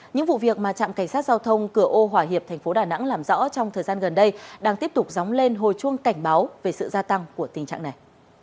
những vụ việc mà trạm cảnh sát giao thông cửa ô hòa hiệp thành phố đà nẵng làm rõ trong thời gian gần đây đang tiếp tục dóng lên hồi chuông cảnh báo về sự gia tăng của tình trạng này